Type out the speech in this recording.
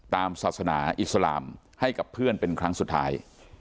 ตามศาสนาอิสลามให้กับเพื่อนเป็นครั้งสุดท้าย